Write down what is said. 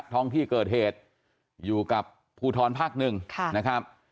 ท้องที่เกิดเหตุอยู่กับภูทรภาค๑นะครับ